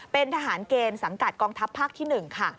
เป็นทหารเกณฑ์สังกัดกองทัพภาคที่๑ค่ะ